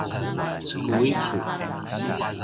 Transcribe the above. cukui cu